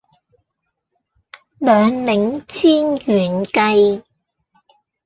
兩檸煎軟雞